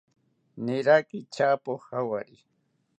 Niraki tyapo jawari